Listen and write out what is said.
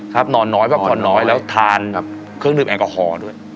ครับนอนน้อยเพราะความน้อยแล้วทานเครื่องดึกแอลกอฮอล์ด้วย